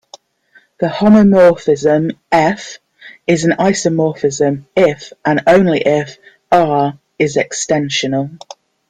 The homomorphism "F" is an isomorphism if and only if "R" is extensional.